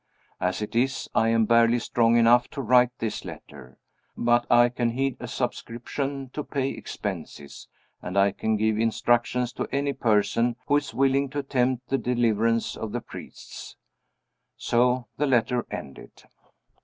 As it is, I am barely strong enough to write this letter. But I can head a subscription to pay expenses; and I can give instructions to any person who is willing to attempt the deliverance of the priests." So the letter ended.